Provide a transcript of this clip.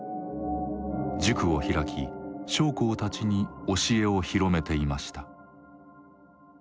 塾を開き将校たちに教えを広めていました。